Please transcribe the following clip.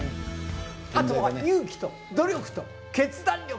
あとは勇気と努力と決断力。